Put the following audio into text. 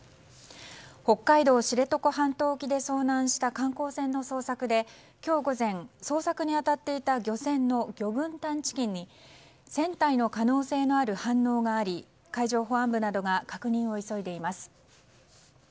北海道知床半島沖で遭難した観光船の捜索で今日午前捜索に当たっていた漁船の魚群探知機に船体の可能性のある反応があり海上保安部などが確認を急いでいます。